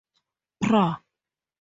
Pra.